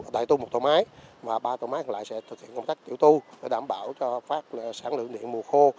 đại tu một tổ máy và ba tổ máy còn lại sẽ thực hiện công tác tiểu tu để đảm bảo cho sản lượng điện mùa khô